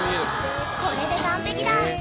これで完璧だ。